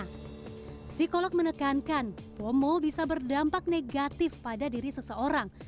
psikolog menekankan promo bisa berdampak negatif pada diri seseorang